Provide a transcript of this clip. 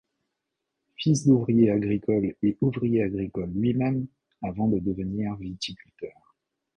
Fils d'ouvriers agricoles et ouvrier agricole lui-même, avant de devenir viticulteur.